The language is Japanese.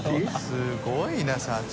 すごいな社長。